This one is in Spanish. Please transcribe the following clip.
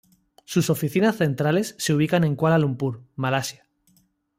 Sus oficinas centrales se ubican en Kuala Lumpur, Malasia.